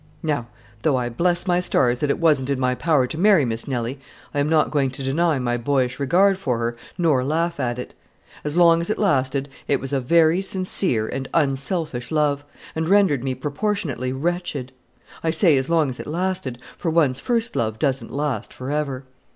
Now, though I bless my stars that it wasn't in my power to marry Miss Nelly, I am not going to deny my boyish regard for her nor laugh at it. As long as it lasted it was a very sincere and unselfish love, and rendered me proportionately wretched. I say as long as it lasted, for one's first love doesn't last forever.